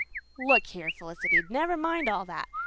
"Look here, Felicity, never mind all that.